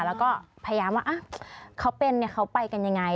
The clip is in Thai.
แล้วก็พยายามว่าเขาเป็นเขาไปกันยังไง